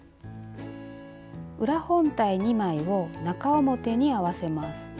裏本体２枚を中表に合わせます。